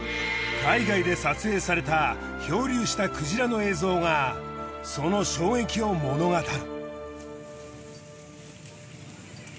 海外で撮影された漂流したクジラの映像がその衝撃を物語る。